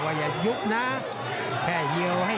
ไม่ตีสูงด้วยเผ็ดเมืองย่า